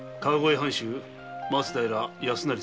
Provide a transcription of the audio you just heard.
藩主松平康成様。